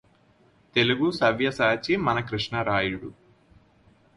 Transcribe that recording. తెలుగుసవ్యసాచి మన కృష్ణరాయుడు